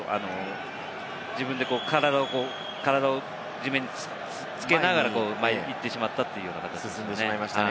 自分で体を地面につけながら前に行ってしまったという形ですね。